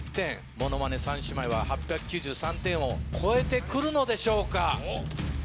ものまね三姉妹は８９３点を超えて来るのでしょうか。